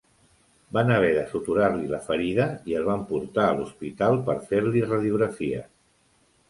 Van haver de suturar-li la ferida i el van portar a l'hospital per fer-li radiografies.